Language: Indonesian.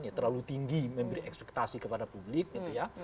ya terlalu tinggi memberi ekspektasi kepada publik gitu ya